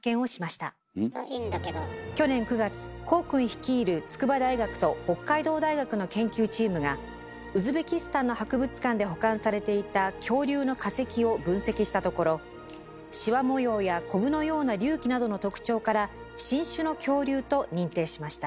率いる筑波大学と北海道大学の研究チームがウズベキスタンの博物館で保管されていた恐竜の化石を分析したところしわ模様やこぶのような隆起などの特徴から新種の恐竜と認定しました。